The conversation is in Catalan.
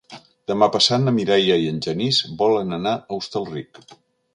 Demà passat na Mireia i en Genís volen anar a Hostalric.